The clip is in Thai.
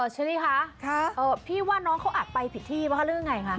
ชิลลี่คะพี่ว่าน้องเขาอาจไปผิดที่เพราะเรื่องยังไงค่ะ